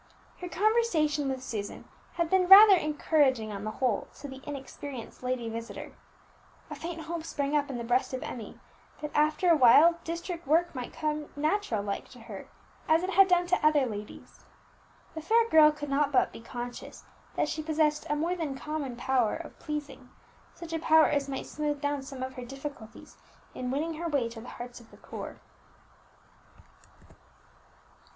Her conversation with Susan had been rather encouraging on the whole to the inexperienced lady visitor. A faint hope sprang up in the breast of Emmie that after a while district work might come "natural like" to her as it had done to other ladies. The fair girl could not but be conscious that she possessed a more than common power of pleasing, such a power as might smooth down some of her difficulties in winning her way to the hearts of the poor.